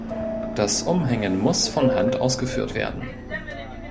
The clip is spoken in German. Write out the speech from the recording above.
Das Umhängen muss von Hand ausgeführt werden.